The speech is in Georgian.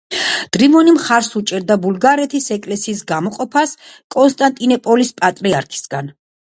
დრინოვი მხარს უჭერდა ბულგარეთის ეკლესიის გამოყოფას კონსტანტინოპოლის პატრიარქისგან.